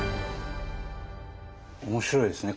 面白いですね。